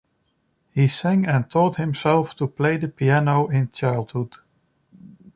He sang and taught himself to play the piano in childhood.